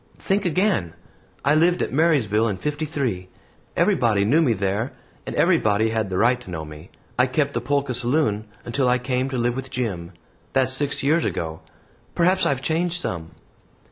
"Think again! I lived at Marysville in '53. Everybody knew me there, and everybody had the right to know me. I kept the Polka saloon until I came to live with Jim. That's six years ago. Perhaps I've changed some."